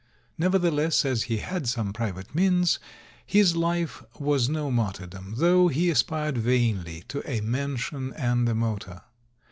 Nevertheless, as he had some pri vate means, his life was no martyrdom, though he aspired vainly to a mansion and a motor.